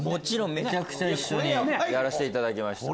めちゃくちゃ一緒にやらしていただきました。